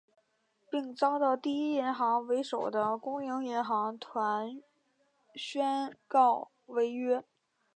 并遭到第一银行为首的公营银行团宣告违约。